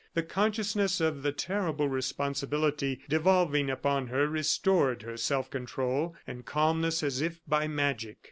The consciousness of the terrible responsibility devolving upon her restored her self control and calmness as if by magic.